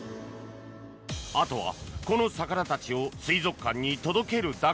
あとは、この魚たちを水族館に届けるだけ。